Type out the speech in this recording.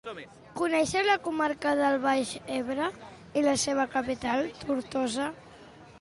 Coneixes la comarca del Baix Ebre i la seva capital, Tortosa?